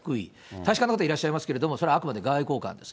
大使館の方いらっしゃいますけれども、それはあくまで外交官です。